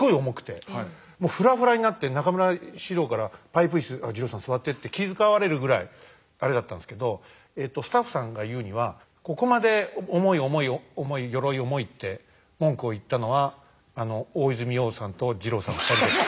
ふらふらになって中村獅童から「パイプ椅子二朗さん座って」って気遣われるぐらいあれだったんですけどスタッフさんが言うにはここまで「重い重い重い鎧重い」って文句を言ったのは大泉洋さんと二朗さんの２人です。